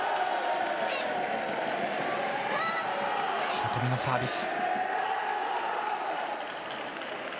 里見のサービス。